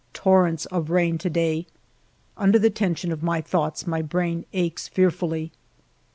Torrents of rain to day. Under the tension of my thoughts my brain aches fearfully.